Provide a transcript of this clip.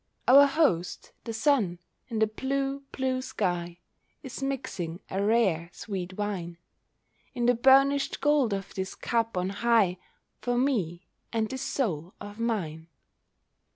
Our host, the Sun, in the blue, blue sky Is mixing a rare, sweet wine, In the burnished gold of this cup on high, For me, and this Soul of mine.